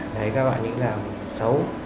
thấy các bạn ấy làm xấu